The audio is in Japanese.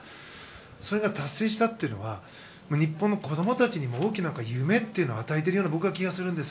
それが達成したというのは日本の子供たちにも大きな夢を与えているような僕は気がするんです。